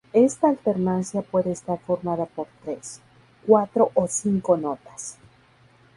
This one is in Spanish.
Esta alternancia puede estar formada por tres, cuatro o cinco notas.